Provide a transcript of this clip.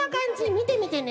みてみてね。